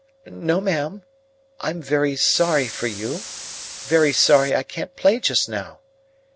"No, ma'am, I am very sorry for you, and very sorry I can't play just now.